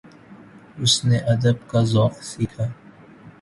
اس نے ادب کا ذوق سیکھا